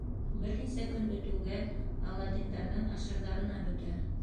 Бер нисә көн үтеүгә Аладдиндарҙың ашарҙарына бөтә.